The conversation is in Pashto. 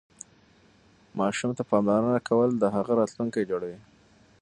ماسوم ته پاملرنه کول د هغه راتلونکی جوړوي.